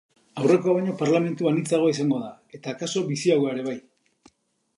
Aurrekoa baino parlamentu anitzagoa izango da, eta akaso biziagoa ere bai.